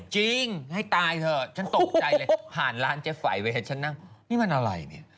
จริงให้ตายเถอะฉันตกใจเลยผ่านร้านเจฟัยไปให้ฉันนั่ง